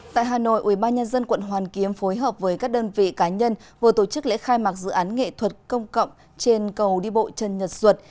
tại hà nội ubnd quận hoàn kiếm phối hợp với các đơn vị cá nhân vừa tổ chức lễ khai mạc dự án nghệ thuật công cộng trên cầu đi bộ trần nhật duật